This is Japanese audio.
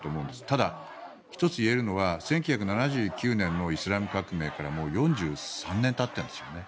ただ、１つ言えるのは１９７９年のイスラム革命からもう４３年たっているんですよね